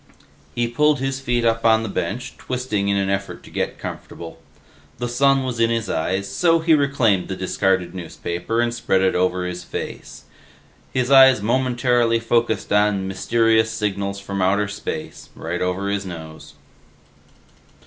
He pulled his feet up on the bench, twisting in an effort to get comfortable. The sun was in his eyes, so he reclaimed the discarded newspaper and spread it over his face. His eyes momentarily focused on MYSTERIOUS SIGNALS FROM OUTER SPACE, right over his nose.